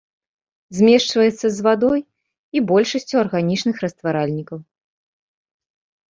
Змешваецца з вадой і большасцю арганічных растваральнікаў.